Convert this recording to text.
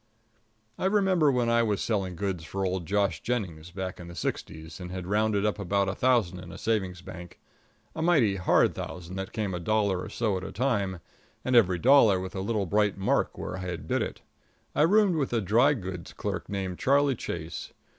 _"] I remember when I was selling goods for old Josh Jennings, back in the sixties, and had rounded up about a thousand in a savings bank a mighty hard thousand, that came a dollar or so at a time, and every dollar with a little bright mark where I had bit it I roomed with a dry goods clerk named Charlie Chase.